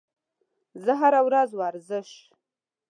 زه هره ورځ ورزش